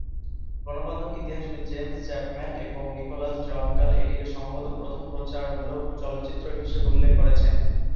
গণমাধ্যম ইতিহাসবিদ James Chapman এবং নিকোলাস জন কাল এটিকে "সম্ভবত প্রথম প্রচারমূলক চলচ্চিত্র" হিসেবে উল্লেখ করেছেন।